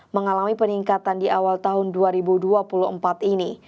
mengalami peningkatan di awal tahun dua ribu dua puluh empat ini